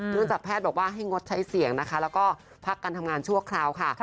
เนื่องจากแพทย์บอกว่าให้งดใช้เสียงนะคะแล้วก็พักการทำงานชั่วคราวค่ะ